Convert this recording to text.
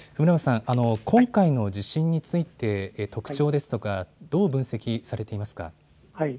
今回の地震について特徴ですとかどう分析されていますか。